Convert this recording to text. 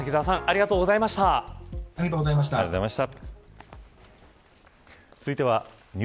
瀧澤さんありがとうございました。